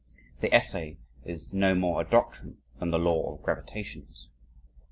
The essay is no more a doctrine than the law of gravitation is.